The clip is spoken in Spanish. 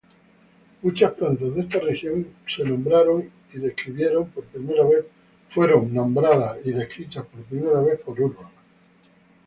Muchas plantas de esta región fueron nombradas y descritas por primera vez por Urban.